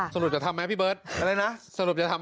สรุปจะทำไหมพี่เบิร์ต